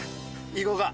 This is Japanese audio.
行こうか。